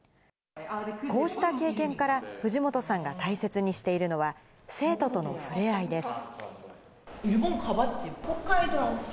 こうした経験から、藤本さんが大切にしているのは、生徒との触れ合いです。